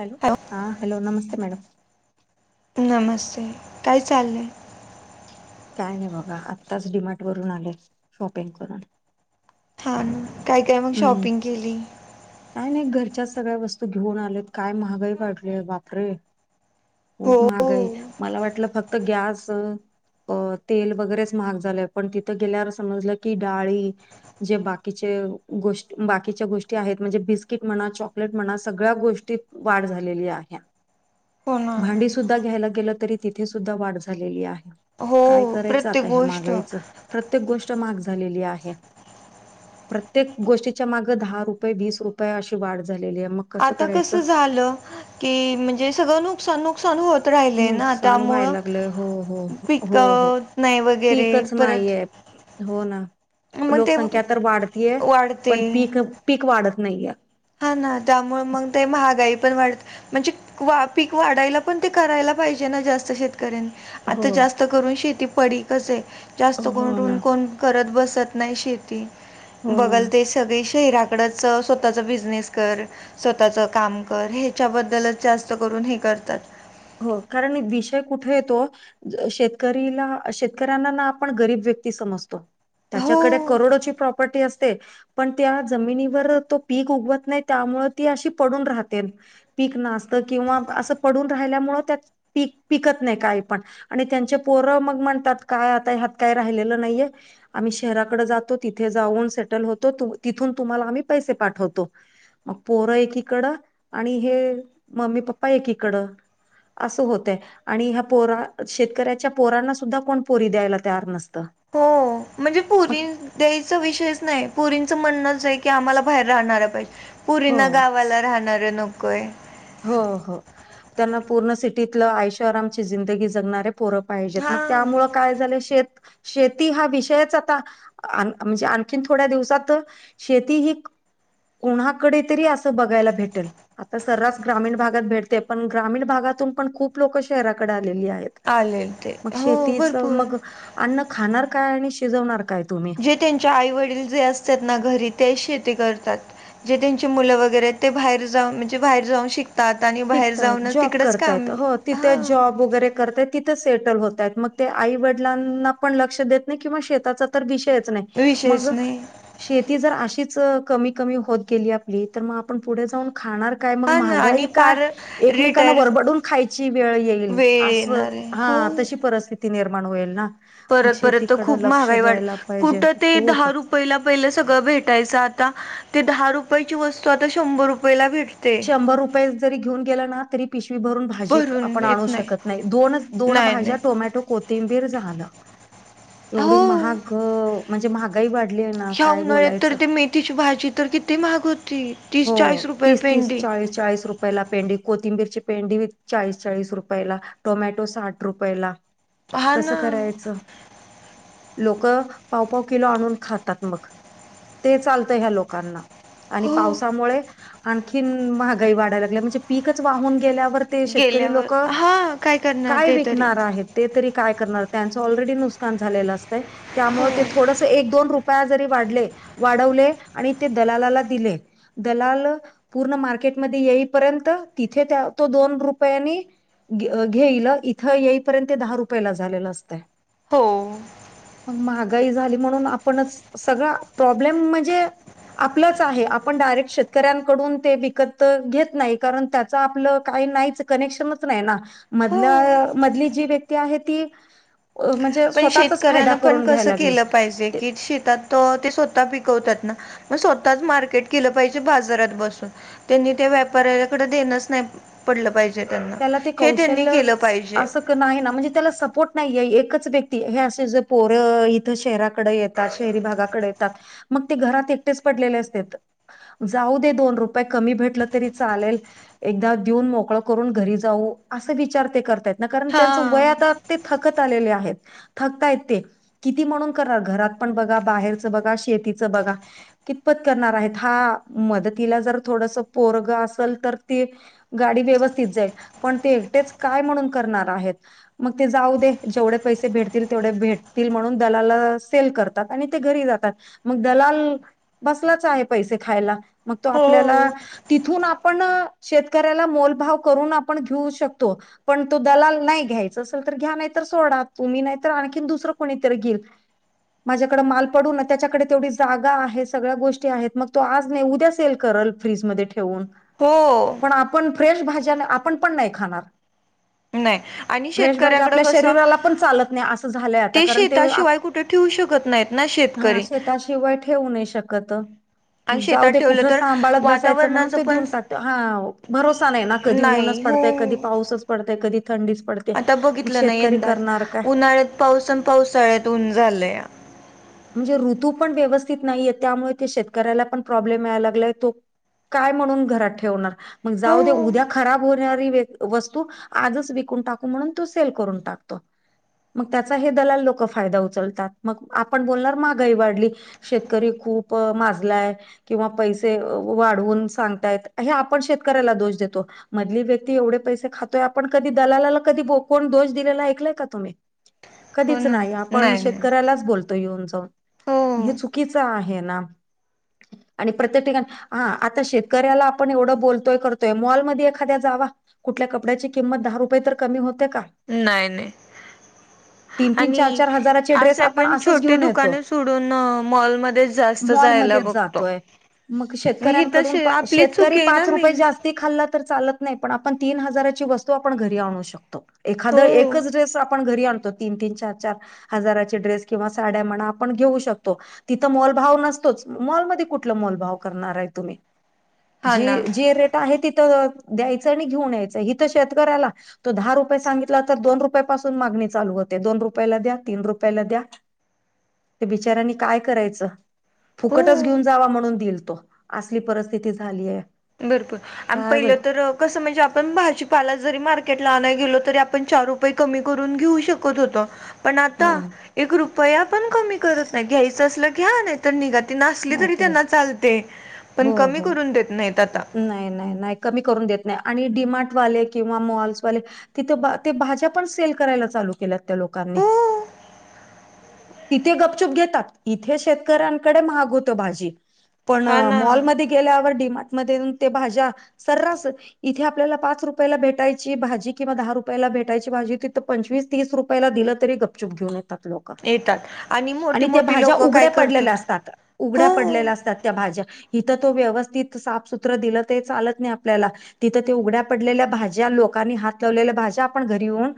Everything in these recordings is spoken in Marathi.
हॅलो हा हॅलो नमस्ते मॅडम. नमस्ते काय चाललंय? काय नाही बाबा आत्ताच डिमार्ट वरून आले शॉपिंग करून. हा ना काय-काय मग शॉपिंग केली? नाही नाही घरच्या सगळ्या वस्तू घेऊन आल्यात काय महागाई वाढली बाप रे! हो खूप महाग आहे हो मला वाटलं फक्त गॅस अ तेल वगैरेच महाग झालंय पण तिथं गेल्यावर समजलं की डाळी जे बाकीचे गोष्ट बाकीच्या गोष्टी आहेत म्हणजे बिस्किट म्हणा चॉकलेट म्हणा सगळ्या गोष्टी वाढ झालेली आहे. ना भांडी सुद्धा घ्यायला गेलं तरी तिथे सुद्धा वाढ झालेली आहे हो काय करायचं प्रत्येक आता हे गोष्ट महागयचं प्रत्येक गोष्ट महाग झालेली आहे. त्येक गोष्टीच्या मागं दहा रुपये वीस रुपये अशी वाढ झालेली आहे मग आता कसं झालं की म्हणजे सगळं नु नुकसान-नुकसान होत राहिले ना नुकसान व्हायला त्यामुळं लागलंय हो हो हो हो पिकं नाय वगैरे पीकच परत नाहीये. हो ना मग ते लोकसंख्या तर वाढतीय वाढते पण पीक-पीक वाढत नाहीये. हा ना त्यामुळे मग ते महागाई पण वाढ म्हणजे वा पीक वाढायला पण ते करायला पाहिजे ना जास्त शेती. करेन हो आता जास्त करून शेती पडीकस आहे जास्त हो करून ना कोण करत बसत नाही शेती हो ना. बघल ते सगळी शरीराकडच स्वतःच्या बिज जनेस कर स्वतःचं काम कर ह्याच्याबद्दलच जास्त करून हे करतात. हो कारण हे बिषय कुठे येतो शेतकरीला शेतकऱ्यांना ना आपण गरीब व्यक्ती समजतो. त्याच्याकडे हो, करोडोची प्रॉपर्टी असते. पण त्या जमिनीवर तो पीक उगवत नाही त्यामुळे ती अशी पडून राहते. पीक नास्त किंवा असं पडून राहिल्यामुळे त्यात पीक पिकत नाही काय पण आणि त्यांचे पोरं मग म्हणतात काय आता ह्यात काय राहिलेलं नाहीये. आम्ही शहराकडे जातो तिथे जाऊन सेटल होतो तिथून तुम्हाला आम्ही पैसे पाठवतो. मग पोरं एकीकडं आणि हे मम्मी पप्पा एकीकडं असं होतंय आणि ह्या पोरा शेतकऱ्याच्या पोरांना सुद्धा कोण पोरी द्यायला तयार नसतं. हो. म्हणजे पुरी मग द्यायचा विषयच नाही पुरींचं म्हणणंच आहे की आम्हाला बाहेर राहणार पाहि हो पुरींना गावाला राहणार आहे नकोय. हो हो. त्यांना पूर्ण सिटीतलं आयश आरामची जिंदगी जगणारे पोरं पाहिजेत मग हां. त्यामुळं काय झाले शेत शेती हा विषयच आता आ म्हणजे आणखीन थोड्या दिवसात शेती ही उन्हाकडे तरी असं बघायला भेटेल आता सरा ग्रामीण भागात भेटते पण ग्रामीण भागातून पण खूप लोक शहराकडे आलेली आहेत. आलेल ते मग हो शेतीचा भरपूर मग अन्न खाणार काय आणि शिजवणार काय तुम्ही. ते त्यांच्या आई वडील जे असतात ना घरी ते शेती करतात. जे त्यांची मुलं वगैरे आहेत ते बाहेर जाऊन म्हणजे बाहेर जाऊन शिक शिकताय जॉब करतायत हो तिथे हा जॉब वगैरे करतेयत तिथे सेटल होतात मग ते आई वडिलांना पण लक्ष देत नाही किंवा मग शेताचा तर विषयच नाही विषयच मग नाही शेती जर अशीच कमी कमी होत गेली आपली. तर मग आपण पुढे जाऊन खाणार काय? काय मग हा ना महागाई आणि का पार एकमेकांना रिटायर वरबडून खायची वेळ येईल वेळ अस. येणार आहे हो हा, तशी परिस्थिती निर्माण होईल ना? मग परत परत त शेतीकडे खूप लक्ष महागाई वाढत. द्यायला पाहिजे. कुठं ते खूप दहा रुप पहिला पहिलं सगळं भेटायचं आता ते दहा रुपयाची वस्तू. आता शंभर रुपयला भेटते. शंभर रुपये जरी घेऊन गेला ना. तरी पिशवी भरून भाजी भाजी भरून आपण आणू येत शकत नाही. दोनच दोन नाही भाज्या नाही टोमॅटो, कोथिंबीर झालं. एवढी हो महाग, म्हणजे महागाई वाढलीये ना. ह्या काय उनळ्यात तर, बोलायचं ते मेथीची भाजी तर, किती महाग होती. हो. तीस चाळीस रुपये तीस, तीस, पेंडी चाळीस, चाळीस रूप यला पेंडी. कोथिंबीर ची पेंडी चाळीस चाळीस रुपयाला. टोमॅटो साठ रुपयाला. हा कसं ना करायचं लोकं पाव-पाव किलो आणून खातात मग. ते चालतं ह्या लोकांना. आणि हो पावसामुळे आणखी महागाई वाढाय लागलीय. म्हणजे पीकच वाहून गेल्यावर ते शेतकरी गेल्यावर लोक, हा करणार काय ते तरी विकणार आहेत. ते तरी काय करणार. त्यांचं ऑलरेडी नुकसान झालेलं असतंय. त्यामुळे ते हो थोडस एक दोन रुपया जरी वाढले. वाढवले आणि ते दलालाला दिले. दलाल पूर्ण मार्केटमध्ये येईपर्यंत. तिथे त्या तो दोन रुपयांनी घेईल. इथं येईपर्यंत ते दहा रुपयेला झालेलं असतंय. हो. महागाई झाली म्हणून आपणच, सगळा प्रॉब्लेम म्हणजे आपलंच आहे. आपण डायरेक्ट शेतकऱ्यांकडून ते विकत घेत नाही. कारण त्याच आपलं काही नाहीच. कनेक्शनच नाही ना. मधल, हो मधली जी व्यक्ती आहे ती, म्हणजे पण स्वतःचाच फायदा शेतकऱ्यांन पण करून कसं घ्यायला लागले केलं पाहिजे. की शेतात ते स्वतः पिकवतात ना. मग स्वतःच मार्केट केलं पाहिजे. बाजारात बसून. त्यांनी ते व्यापऱ्यालाकडे देणच नाही पडलं पाहिजे त्यांना. त्याला ते हे त्यांनी कौशल्य केलं पाहिजे. असं नाही ना. म्हणजे त्याला सपोर्ट नाहीये. एकच व्यक्ती, हे अस जे पोर इथं शहराकडे येत ता शहरी भागाकडे येता. मग ते घरात एकटेच पडलेले असतेत. जाऊ दे दोन रुपये कमी भेटल तरी चालेल. एकदा देऊन मोकळ करून घरी जाऊ. असे विचार ते करतायेत ना. कारण हा त्यांच वय आता ते थकत आलेले आहेत. थकता येत ते. किती म्हणून करणार, घरात पण बघा. बाहेरचं बघा. शेतीचं बघा. कितपत करणार आहेत. हा, मदतीला जर थोडस पोरग असल, तर ते गाडी व्यवस्थित जाईल. पण ते एकटेच काय म्हणून करणार आहेत. मग ते जाऊ दे, जेवढे पैसे भेटतील तेवढे भेटतील म्हणून. दलाला सेल कर तात. आणि ते घरी जातात. मग दलाल बसलाच आहे पैसे खायला. मग तो हो आपल्याला तिथून आपण, शेतकऱ्याला मोलभाव करून, आपण घेऊ शकतो. पण तो दलाल नाही. घ्यायच असेल तर घ्या. नाहीतर सोडा. तुम्ही नाहीतर आणखीन दुसरं कोणीतरी घेईल. माझ्याकडे माल पडून. त्याच्याकडे तेवढी जागा आहे. सगळ्या गोष्टी आहेत. मग तो आज नाही उद्या सेल करल. फ्रीजमध्ये ठेवून. हो. पण आपण फ्रेश भाज्या, आपण पण नाही खाणार. नाही आणि फ्रेश भाज्या शेतकऱ्याकडं आपल्या कसं शरीराला पण चालत नाही. असं झालंय आता. कारण ते शेताशिवाय कुठे ठेवू शकत नाहीत ना शेतकरी. हा शेताशिवाय ठेवू नाही शकत. आणि मग जाऊ शेतात दे, ठेवलं कुठं तर सांभाळत बसायचं. म्हणून वातावरणाचं ते पण देऊन टाकता. हा भरोसा नाहीना. कधी ऊनच नाही हो पडतय, कधी पाऊसच पडतय, कधी थंडीच पडत आता बघितलं ना यंदाच. उन्हाळ्यात पाऊसन, पावसाळ्यात ऊन झालंया. म्हणजे ऋतू पण व्यवस्थित नाहीये त्यामुळे ते शेतकऱ्याला पण प्रॉब्लेम मिळायला लागलाय तो काय म्हणून घरात ठेवणार मग हो जाऊ दे उद्या खराब होणारी वस्तू- आजच विकून टाकू म्हणून तो सेल करून टाकतो. मग त्याचा हे दलाल लोक फायदा उचलतात मग आपण बोलणार महागाई वाढली. शेतकरी खूप माजलाय. किंवा पैसे वाढवून सांगता येत हे आपण शेतकऱ्याला दोष देतो. मधली व्यक्ती एवढे पैसे खातोय आपण कधी दलालाला कधी कोण दोष दिलेला ऐकलाय का तुम्ही? हो कधीच ना नाही आपण नाही नाही शेतकऱ्यालाच बोलतो. बोलतो येऊन जाऊन मग हे हो चुकीच आहे ना आणि प्रत्येक ठिकाणी हा आता शेतकऱ्याला आपण एवढं बोलतोय करतोय मॉलमध्ये एखाद्या जावा कुठल्या कपड्याची किंमत दहा रुपये तर कमी होते का? नाही नाही तीन तीन चार आणि चार हजाराचे ड्रेस आपण असंपण असंच छोट ते घेऊन येतो दुकाने सोडून मॉलमध्ये जास्त जायला मॉलमध्येच बघतो. जातोय मग ही शेतकऱ्यांकडून तशी आपलीच शेतकरी चुकी आहे ना पाच रुपये मेन जास्त ती खाल्ला तर चालत नाही पण आपण तीन हजाराची वस्तू आपण घरी आणू शकतो. एखाद हो एकच ड्रेस आपण घरी आणतो तीन तीन चार चार हजाराचे ड्रेस किंवा साड्या म्हणा आपण घेऊ शकतो. तिथं मोलभाव नसतोच मॉलमध्ये कुठल मोलभाव करणार आहे तुम्ही हा जी ना जे रेट आहे तिथ द्यायचं आणि घेऊन यायचं हिथ शेतकऱ्याला तो दहा रुपये सांगितला तर दोन रुपयापासून मागणी चालू होते दोन रुपयाला द्या तीन रुपयाला द्या. ते बिचऱ्यांनी काय करायचं फुकटच हो घेऊन जावा म्हणून दिल तो असली परिस्थिती झालीये. भरपूर आणि पहिलं तर कसं म्हणजे आपण भाजीपाला जरी मार्केटला आणाया गेलो तरी आपण चार रुपये कमी करून घेऊ शकत होतो. पण आता हो एक रुपया पण कमी करत नाही घ्यायचं असल घ्या नाहीतर तर निघा ती नासली तरी नाहीतरी त्यांना चालते पण हो कमी हो करून देत नाहीत आता नाही नाही नाही कमी करून देत नाही आणि डिमार्टवाले किंवा मॉल्सवाले तिथं ते भाज्या पण सेल करायला चालू केल्यात त्या लोकांनी हो तिथे गपचुप घेतात इथे शेतकऱ्यांकडे महाग होत भाजी पण हा ना मॉलमध्ये गेल्यावर डीमार्ट मध्ये येऊन ते भाज्या सरासरी इथे आपल्याला पाच रुपयाला भेटायची भाजी किंवा दहा रुपयाला भेटायची भाजी तिथं पंचवीस तीस रुपयाला दिलं तरी गपचूप घेऊन येतात लोक येतात मोठी आणि त्या मोठी भाज्या लोक काय उघड्या पडलेल्या करतात असतात हो उघड्या पडलेल्या असतात त्या भाज्या इथं तो व्यवस्थित साफसुत्र दिलं ते चालत नाही आपल्याला तिथं ते उघड्या पडलेल्या भाज्या लोकांनी हात लावलेल्या भाज्या आपण घरी येऊन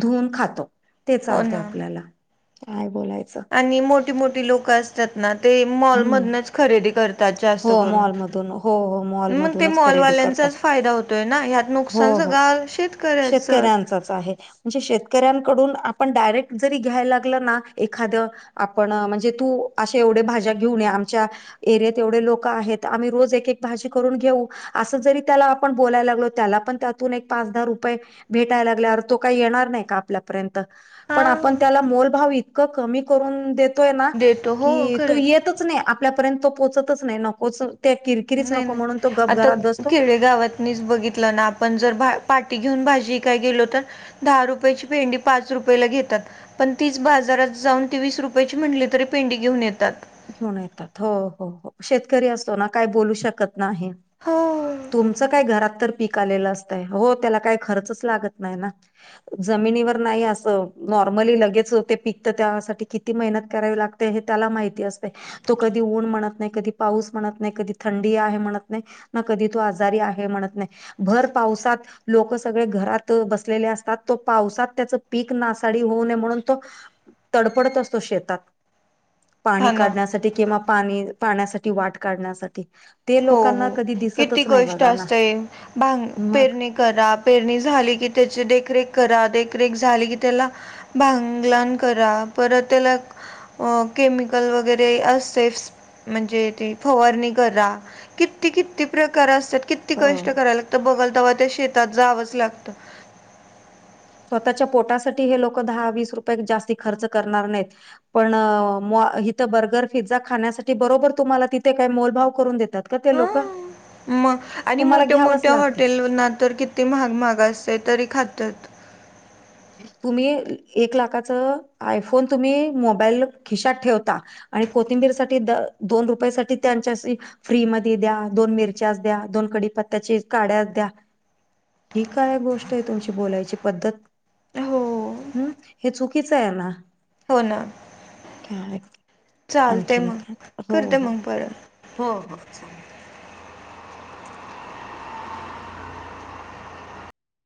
धुऊन खातो ते हो चालतय ना आपल्याला काय बोलायचं आणि मोठी मोठी लोक अस म्हणतात ना ते मॉल हम्म. मधनच खरेदी करतात जास्त हो मॉलमधून. हो, हो. करून मग ते मॉलमधूनच मॉल खरेदी वाल्यांच करतात. त्यांचाच फायदा होतोय ना यात नुकसानच हो, हो. सगळ शेतकऱ्याच शेतकऱ्यांचाच आहे. म्हणजे शेतकऱ्यांकडून आपण डायरेक्ट जरी घ्यायला लागलं ना एखाद आपण म्हणजे तू अशे एवढे भाज्या घेऊन ये आमच्या एरियात एवढे लोक आहेत आम्ही रोज एक एक भाजी करून घेऊ. असं जरी त्याला आपण बोलायला लागलो त्याला पण त्यातून एक पाच दहा रुपये भेटायला लागल्यावर तो काही येणार नाही का आपल्या हा पण आपण त्याला मोल भाव इतका कमी करून देतो देतो हो की तो खरंच येतच नाही आपल्यापर्यंत तो पोचतच नाही नकोच कीर् नाही नाही आता खेडेगावात च बघितलं ना आपण जर पाटी घेऊन भाजी वीकाय गेलो तर दहा रुपयाची भेंडी पाच रुपयाेला घेतात पण तीच बाजारात जाऊन ती वीस रुपयाची म्हणली तरी पेंडी घेऊन येतात. घेऊन येतात हो हो हो शेतकरी असतो ना काय बोलू शकत नाही हो तुमच काय घरात तर पिक आलेलं असतय हो त्याला काय खर्च लागत नाय ना जमिनीवर नाही असं नॉर्मली लगेच ते पिकत त्यासाठी कित किती मेहनत करावी लागते हे त्याला माहिती अस तो कधी ऊन म्हणत नाय कधी पाऊस म्हणत नाय कधी थंडी आहे म्हणत नाय ना कधी तो आजारी आहे म्हणत नाय भर पावसात लोक सगळे घरात बसलेले असतात तो पावसात त्याच पीक नासाडी होऊ नये म्हणून तो तडपडत असतो शेतात पाणी हा ना काढण्यासाठी किंवा पाणी पाण्यासाठी वाट काढण्यासाठी ते हो लोकांना हो कधी किती दिसतच नाही कष्ट बघा ना असतय भांग मग पेरणी करा पेरणी झाली कि त्याची देखरेख करा देखरेख झाली की त्याला भांगलान करा परत त्याला अ केमिकल वगैरे असतेच म्हणजे ते फवारणी करा किती कित किती प्रकार असतात किती कष्ट हो. करायला लागतं बघल तेव्हा ते शेतात जावंच लागतं. स्वतःच्या पोटासाठी हे लोक दहा वीस रुपये जास्ती खर्च करणार नाहीत. पण मॉ इथं बर्गर फिझ्झा खाण्यासाठी बरोबर तुम्हाला तिथे काही मोलभाव करून देतात का ते ह लोक म आणि तुम्हाला मोठ्या घ्यावंच मोठ्या लागते हॉटेल ना तर कित ती महाग महाग असतय तरी खातात. तुम्ही एक लाखाच आयफोन तुम्ही मोबाईल खिशात ठेवता आणि कोथिंबीर साठी द दोन रुपया साठी त्यांचांशी फ्री मधी द्या. दोन मिरच्या द्या. दोन कडीपत्त्याचे काड्या द्या. ही काय गोष्टय तुमची बोलायची पद्धत हो हम्म हे चुकीचं हाय ना हो न काय आणखीन मग काय आता हो करते हो मग परत हो हो चालत [inaudible]